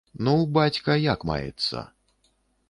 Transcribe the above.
Ну, бацька як маецца?